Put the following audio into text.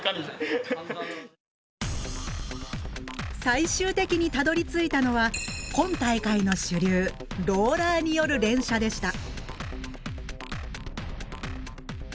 最終的にたどりついたのは今大会の主流ローラーによる連射でした。